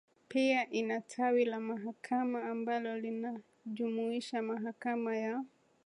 pia ina tawi la mahakama ambalo linajumuisha Mahakama ya